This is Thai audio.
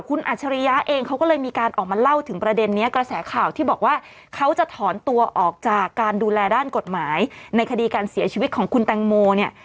คุณอัจฉริยะเองเขาก็เลยมีการออกมาเล่าถึงประเด็นนี้กระแสข่าวที่บอกว่าเขาจะถอนตัวออกจากการดูแลด้านกฎหมายในคดีการเสียชีวิตของคุณแตงโมเนี่ย